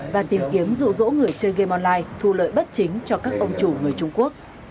và tìm kiếm rủ rỗ người chơi gam online thu lợi bất chính cho các ông chủ người trung quốc